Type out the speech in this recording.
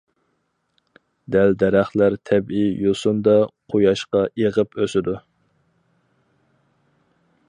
دەل- دەرەخلەر تەبىئىي يوسۇندا قۇياشقا ئېغىپ ئۆسىدۇ.